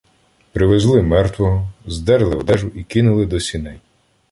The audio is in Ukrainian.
Привезли мертвого, здерли одежу і кинули до сіней.